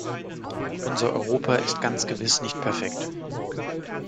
Unser Europa ist ganz gewiss nicht perfekt.